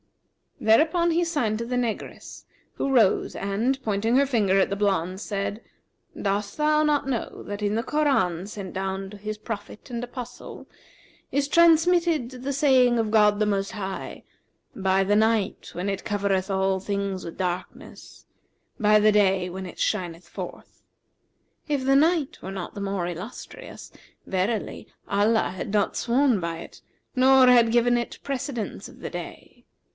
Thereupon he signed to the negress, who rose and, pointing her finger at the blonde, said: Dost thou not know that in the Koran sent down to His prophet and apostle, is transmitted the saying of God the Most High, 'By the night when it covereth all things with darkness; by the day when it shineth forth!'[FN#361] If the night were not the more illustrious, verily Allah had not sworn by it nor had given it precedence of the day.